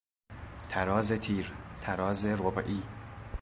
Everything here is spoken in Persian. تراز تیر، تراز ربعی